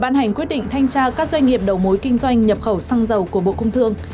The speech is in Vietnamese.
ban hành quyết định thanh tra các doanh nghiệp đầu mối kinh doanh nhập khẩu xăng dầu của bộ công thương